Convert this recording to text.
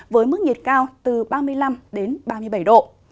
với mức nhiệt cao từ ba mươi năm đến ba mươi bảy độ